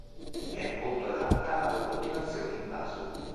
È molto adatta alla coltivazione in vaso.